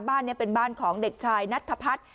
บ้านนี้เป็นบ้านของเด็กชายนัทธพัฒน์